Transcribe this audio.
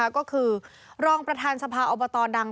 ก็คือรองประธานสภาอบตดัง